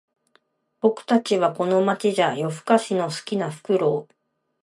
僕たちはこの街じゃ夜ふかしの好きなフクロウ